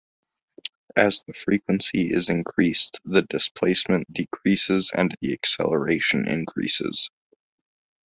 As the frequency is increased, the displacement decreases, and the acceleration increases.